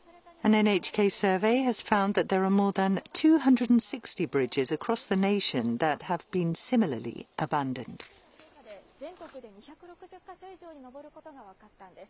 ＮＨＫの調査で、全国で２６０か所以上に上ることが分かったんです。